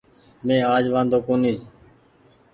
مينٚ آج وآۮو ڪونيٚ